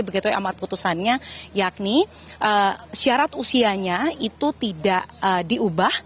begitu amar putusannya yakni syarat usianya itu tidak diubah